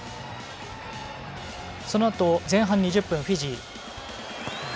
そのあと、前半２０分フィジー。